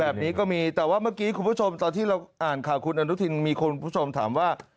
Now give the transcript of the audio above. แบบนี้ก็มีแต่ว่าเมื่อกี้คุณผู้ชมตอนที่เราอ่านข่าวคุณอนุทินมีคุณผู้ชมถามว่า